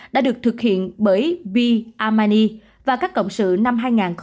đã được thực hiện bởi b amani và các cộng sự năm hai nghìn hai mươi một